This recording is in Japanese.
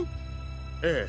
ええ。